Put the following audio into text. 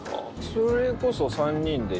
それこそ。